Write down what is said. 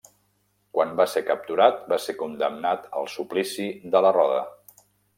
Quan va ser capturat, va ser condemnat al suplici de la roda.